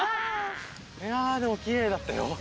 いやでもキレイだったよ。